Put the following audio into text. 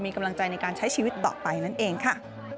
มีกำลังใจในการใช้ชีวิตต่อไปนั่นเองค่ะ